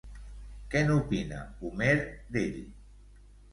Què n'opina Homer d'ell?